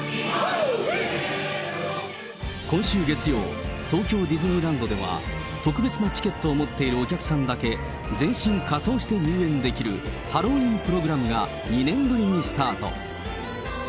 今週月曜、東京ディズニーランドでは、特別なチケットを持っているお客さんだけ、全身仮装して入園できる、ハロウィーンプログラムが２年ぶりにスタート。